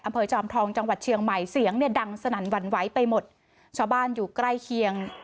จอมทองจังหวัดเชียงใหม่เสียงเนี่ยดังสนั่นหวั่นไหวไปหมดชาวบ้านอยู่ใกล้เคียง